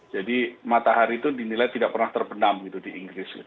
jadi matahari itu dinilai tidak pernah terbenam gitu di inggris